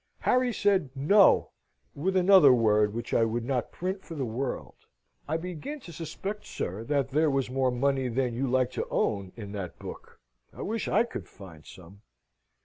Harry said "No!" with another word, which I would not print for the world. "I begin to suspect, sir, that there was more money than you like to own in that book. I wish I could find some."